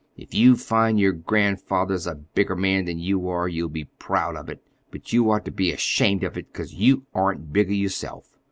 If you find your grandfather's a bigger man than you are, you'll be proud of it, but you ought to be ashamed of it—'cause you aren't bigger yourself!